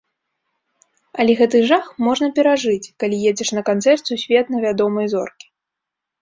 Але гэты жах можна перажыць, калі едзеш на канцэрт сусветна вядомай зоркі.